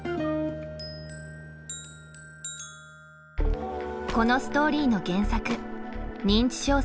このストーリーの原作「認知症世界の歩き方」。